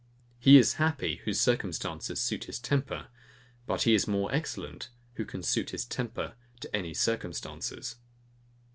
He is happy, whose circumstances suit his temper; but he is more excellent, who can suit his temper to any circumstances.